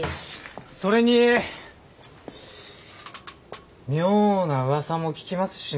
それに妙なうわさも聞きますしね。